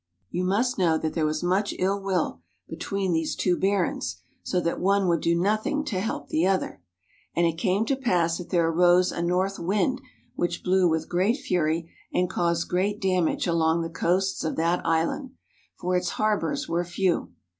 You must know that there was much ill will between those two barons, so that one would do nothing to help the other. And it came to pass that there arose a north wind which blew with great fury, and caused great damage along the coasts of that island, for its harbors were few.